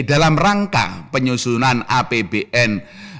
dalam rangka penyusunan apbn dua ribu dua puluh satu